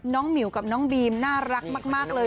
หมิวกับน้องบีมน่ารักมากเลย